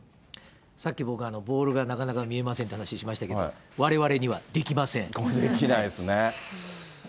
さっき僕、ボールがなかなか見えませんって話しましたけど、われわれにはでできないですね。